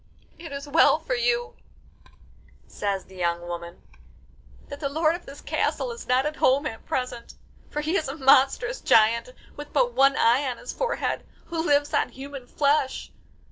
'"It is well for you," says the young woman, "that the lord of this castle is not at home at present; for he is a monstrous giant, with but one eye on his forehead, who lives on human flesh.